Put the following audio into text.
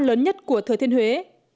chợ hoa lớn nhất của thời thiên huế